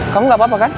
kamu gak apa apa kan